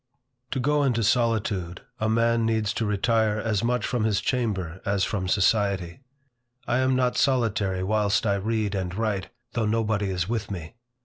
TO go into solitude, a man needs to retire as much from his chamber as from society. I am not solitary whilst I read and write, though nobody is with me.